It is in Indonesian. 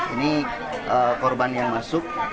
ini korban yang masuk